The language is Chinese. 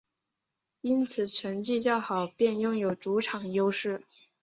因此成绩较好便拥有主场优势。